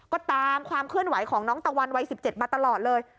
ก็ตามความเคลื่อนไหวของน้องตะวันวัย๑๗มาตลอดเลย